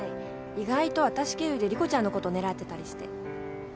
意外と私経由で理子ちゃんのこと狙ってたりして。